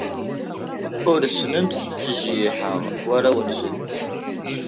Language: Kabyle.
Ur asent-ttjeyyiḥeɣ arraw-nsent.